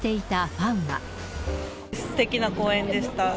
すてきな公演でした。